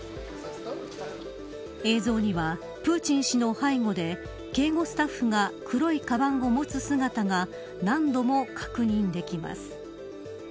映像にはプーチン氏の背後で警護スタッフが黒いカバンを持つ姿が何度も確認できます。